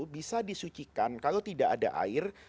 bisa disucikan kalau tidak ada air